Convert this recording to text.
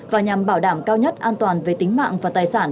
và nhằm bảo đảm cao nhất an toàn về tính mạng và tài sản